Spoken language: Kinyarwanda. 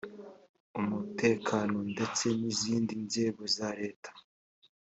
umutekano ndetse n izindi nzego za leta